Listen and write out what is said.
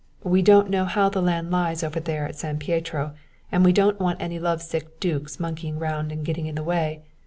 We don't know how the land lies over there at San Pietro, and we don't want any love sick dukes monkeying round and getting in the way.